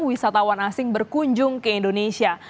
wisatawan asing berkunjung ke indonesia